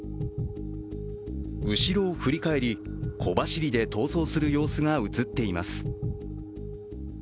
後ろを振り返り、小走りで逃走する様子が映っています。